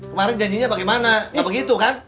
kemarin janjinya bagaimana ya begitu kan